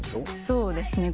そうですね。